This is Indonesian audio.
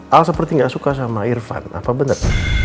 al seperti gak suka sama irfan apa bener